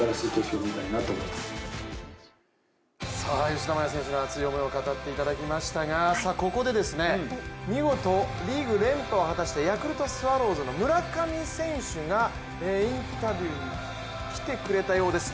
吉田麻也選手に熱い思いを語っていただきましたがここで、見事リーグ連覇を果たしたヤクルトスワローズの村上選手が、インタビューに来てくれたようです。